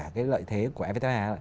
cái lợi thế của evfta